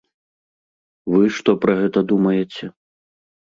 Вы што пра гэта думаеце?